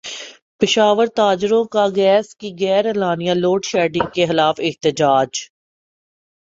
پشاور تاجروں کا گیس کی غیر اعلانیہ لوڈشیڈنگ کیخلاف احتجاج